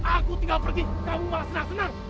aku tinggal pergi kamu gak senang senang